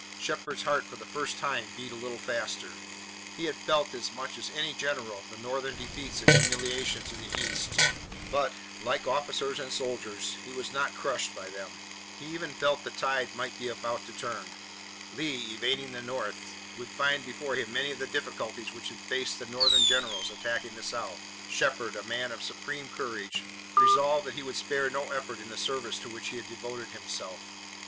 Shepard's heart for the first time beat a little faster. He had felt as much as any general the Northern defeats and humiliations in the east, but, like officers and soldiers, he was not crushed by them. He even felt that the tide might be about to turn. Lee, invading the North, would find before him many of the difficulties which had faced the Northern generals attacking the South. Shepard, a man of supreme courage, resolved that he would spare no effort in the service to which he had devoted himself.